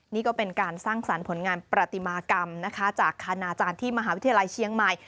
นี่ก็เป็นการสร้างสรรค์ผลงานประติมากรรมนะคะจากคณาจารย์ที่มหาวิทยาลัยเชียงใหม่